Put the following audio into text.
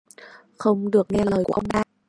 Không được nghe lời của ông ta